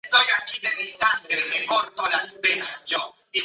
Esta última está catalogada como una estrella fulgurante.